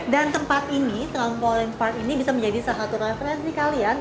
dan tempat ini trampolin park ini bisa menjadi salah satu referensi kalian